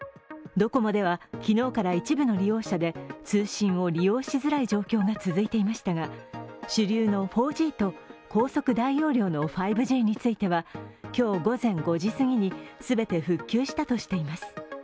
ドコモでは昨日から一部の利用者で通信を利用しづらい状況が続いていましたが主流の４Ｇと高速大容量の５Ｇについては今日午前５時すぎに全て復旧したとしています。